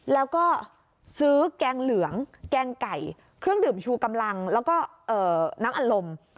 แล้วก็ซื้อแกงเหลืองแกงไก่เครื่องดื่มชูกำลังแล้วก็น้ำอารมณ์